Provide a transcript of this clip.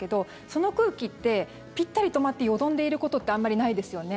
その空気ってピッタリ止まってよどんでいることってあんまりないですよね。